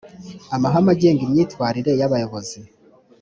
amahame agenga imyitwarire y Abayobozi